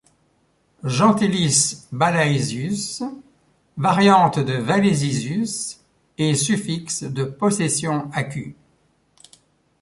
Gentilice Balaesius, variante de Valesisus, et suffixe de possession acus.